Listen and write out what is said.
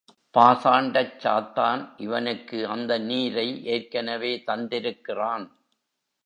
பாசாண்டச் சாத்தன் இவனுக்கு அந்த நீரை ஏற்கனவே தந்திருக்கிறான்.